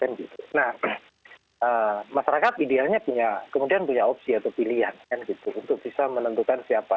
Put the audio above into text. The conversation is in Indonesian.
nah masyarakat idealnya kemudian punya opsi atau pilihan untuk bisa menentukan siapa